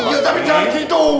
ya tapi jangan gitu